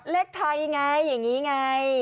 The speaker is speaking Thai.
เล็กทายอย่างนี้ไง